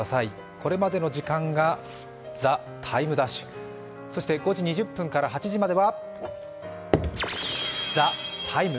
これまでの時間が「ＴＨＥＴＩＭＥ’」そして５時２０分から８時までは「ＴＨＥＴＩＭＥ，」。